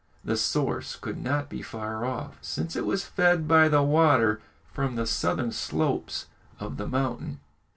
The source could not be far off, since it was fed by the water from the southern slopes of the mountain.